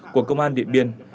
của công an điện biên